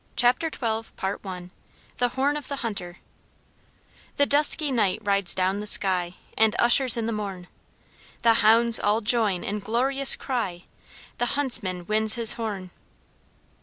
CHAPTER XII The Horn of the Hunter "The dusky night rides down the sky, And ushers in the morn: The hounds all join in glorious cry, The huntsman winds his horn."